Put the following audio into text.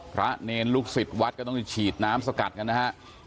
เนรลูกศิษย์วัดก็ต้องฉีดน้ำสกัดกันนะฮะ